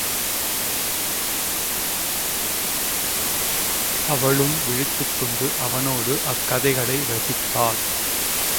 அவளும் விழித்துக் கொண்டு அவனோடு அக்கதைகளை ரசித்தாள்.